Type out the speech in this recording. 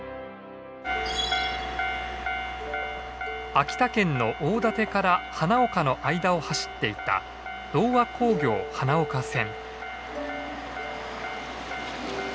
秋田県の大館から花岡の間を走っていた同和鉱業花岡線。